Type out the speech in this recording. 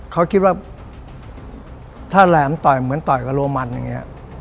เขาคิดว่าถ้าแหลมต่อยเหมือนต่อยกับโรมันอย่างนี้